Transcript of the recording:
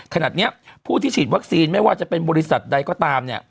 ขณะนี้ผู้ที่ฉีดวัคซีนไม่ว่าจะเป็นบริษัทใดก็ตามเนี่ย